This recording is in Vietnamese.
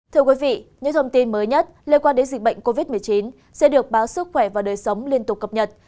thưa quý vị những thông tin mới nhất liên quan đến dịch bệnh covid một mươi chín sẽ được báo sức khỏe và đời sống liên tục cập nhật